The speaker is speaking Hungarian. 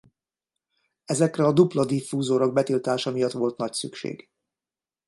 Ezekre a dupla diffúzorok betiltása miatt volt nagy szükség.